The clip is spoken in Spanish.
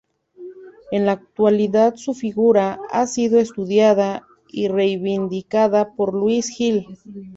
En la actualidad su figura ha sido estudiada y reivindicada por Luis Gil.